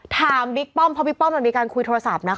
บิ๊กป้อมเพราะบิ๊กป้อมมันมีการคุยโทรศัพท์นะคะ